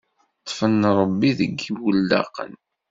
Ṭfen Ṛebbi deg yiwellaqen.